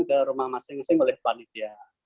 ke rumah masing masing oleh panitia